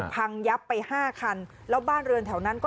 พังยับไปห้าคันแล้วบ้านเรือนแถวนั้นก็